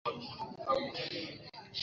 Amekuwa mchezaji bora wa dunia mara tatu